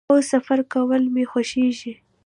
هو، سفر کول می خوښیږي